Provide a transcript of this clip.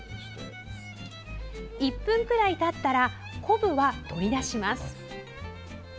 １分くらいたったら昆布は取り出します。